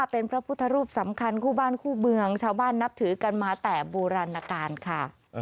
เป็นพระพุทธรูปสำคัญคู่บ้านคู่เมืองชาวบ้านนับถือกันมาแต่โบราณการค่ะ